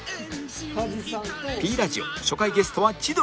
Ｐ ラジオ初回ゲストは千鳥